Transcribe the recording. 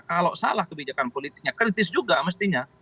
kalau salah kebijakan politiknya kritis juga mestinya